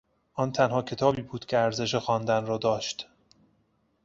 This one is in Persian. آن تنها کتابی بود که ارزش خواندن را داشت.